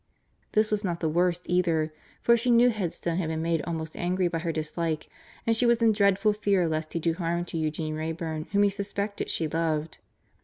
This was not the worst either, for she knew Headstone had been made almost angry by her dislike, and she was in dreadful fear lest he do harm to Eugene Wrayburn, whom he suspected she loved.